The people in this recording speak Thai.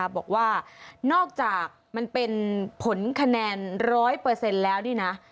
บอกว่านอกจากมันเป็นผลคะแนน๑๐๐แล้วนี่นะ